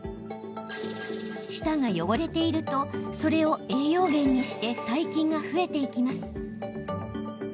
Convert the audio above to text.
舌が汚れているとそれを栄養源にして細菌が増えていきます。